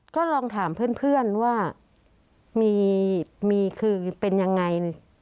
ก็ลองถามเพื่อนว่ามีคือเป็นยังไง